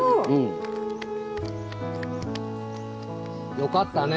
よかったね。